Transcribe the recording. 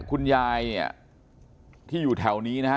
คุณยายที่อยู่แถวนี้นะฮะ